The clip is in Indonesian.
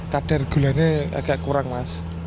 kadar gulanya agak kurang mas